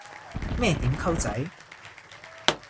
咩點溝仔